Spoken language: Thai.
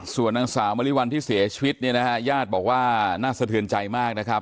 ส่วนนางสาวมริวัลที่เสียชีวิตเนี่ยนะฮะญาติบอกว่าน่าสะเทือนใจมากนะครับ